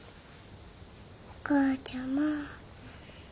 お母ちゃま。